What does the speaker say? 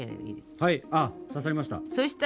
はい、刺さりました！